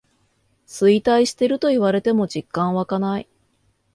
衰退してると言われても実感わかない